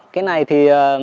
cái này thì